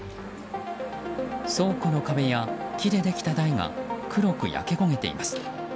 倉庫の壁や、木でできた台が黒く焼け焦げています。